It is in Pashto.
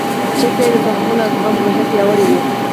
چېرته چې د تحمل او زغم روحیه پیاوړې وي.